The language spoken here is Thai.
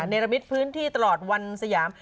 ในระมิตพื้นที่ตลอดวันสยาม